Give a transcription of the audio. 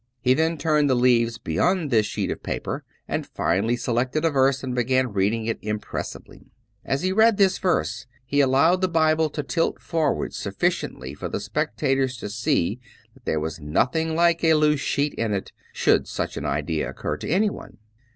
He then turned the leaves beyond this sheet of paper and finally selected a verse and began reading it impressively. As he read this verse he allowed the Bible to tilt forward sufficiently for the spectators to see that there was nothing like a loose sheet in it, should such an idea occur to anyone.